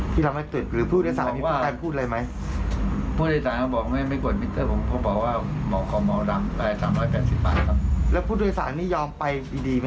ที่เราไม่ตื่นผู้โดยสารนี้เขากลายพูดอะไรไหม